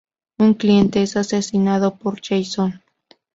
Un cliente es asesinado por Jason.